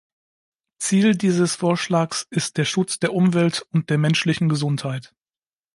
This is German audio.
Ziel dieses Vorschlags ist der Schutz der Umwelt und der menschlichen Gesundheit.